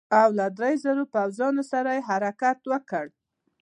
او له دریو زرو پوځیانو سره یې حرکت وکړ.